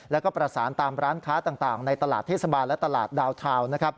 แล้วก็ประสานตามร้านค้าต่างในตลาดเทศบาลและตลาดดาวทาวน์